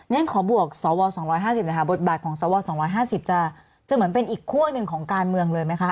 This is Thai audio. ฉันขอบวกสว๒๕๐เลยค่ะบทบาทของสว๒๕๐จะเหมือนเป็นอีกคั่วหนึ่งของการเมืองเลยไหมคะ